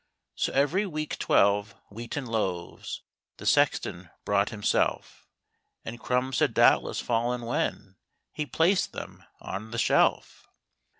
So every week twelve wheaten loaves The Sexton brought himself; And crumbs had doubtless fallen when He placed them on the shelf.